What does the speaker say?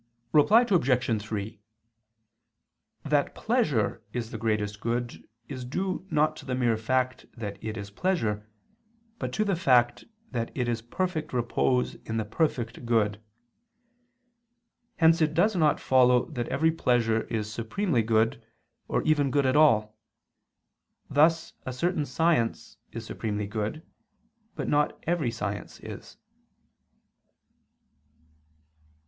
Reply Obj. 3: That pleasure is the greatest good is due not to the mere fact that it is pleasure, but to the fact that it is perfect repose in the perfect good. Hence it does not follow that every pleasure is supremely good, or even good at all. Thus a certain science is supremely good, but not every science is.